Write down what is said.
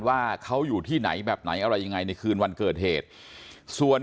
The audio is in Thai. ว่าเขาอยู่ที่ไหนแบบไหนอะไรยังไงในคืนวันเกิดเหตุส่วน